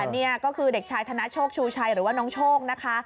นี่ก็คือเด็กชายธนโชคชูชัยหรือว่าน้องโชคนะคะ